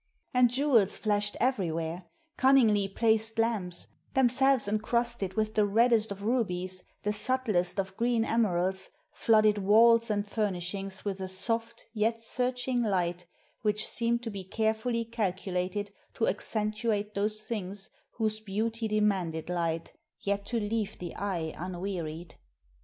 And jewels flashed everywhere; cunningly placed lamps, themselves encrusted with the reddest of rubies, the subtlest of green emeralds, flooded walls and furnishings with a soft yet searching light which seemed to be carefully calculated to accentuate those things whose beauty demanded light, yet to leave the eye unwearied.